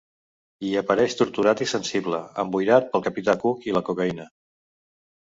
Hi apareix torturat i sensible, emboirat pel capità Cook i la cocaïna.